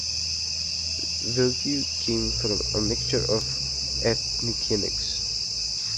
Wokou came from a mixture of ethnicities.